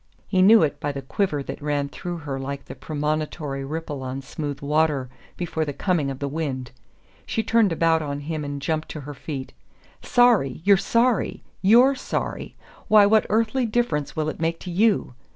He knew it by the quiver that ran through her like the premonitory ripple on smooth water before the coming of the wind. She turned about on him and jumped to her feet. "Sorry you're sorry? YOU'RE sorry? Why, what earthly difference will it make to YOU?"